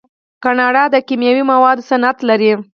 کاناډا د کیمیاوي موادو صنعت لري.